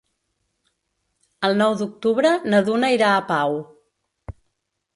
El nou d'octubre na Duna irà a Pau.